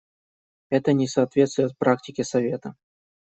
Это не соответствует практике Совета.